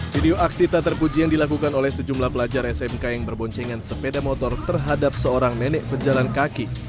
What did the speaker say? video aksi tak terpuji yang dilakukan oleh sejumlah pelajar smk yang berboncengan sepeda motor terhadap seorang nenek berjalan kaki